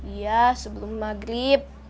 iya sebelum maghrib